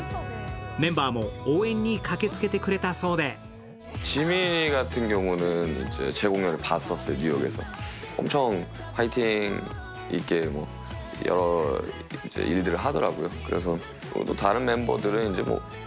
メンバーも応援に駆けつけてくれたそうで磧孱味腺唯庁腺咤函。